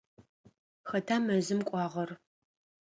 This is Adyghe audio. Хэта мэзым кӏуагъэр?